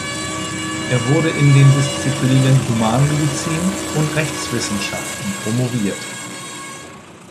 Er wurde in den Disziplinen Humanmedizin und Rechtswissenschaften promoviert.